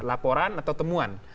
laporan atau temuan